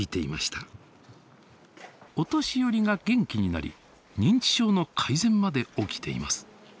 お年寄りが元気になり認知症の改善まで起きています。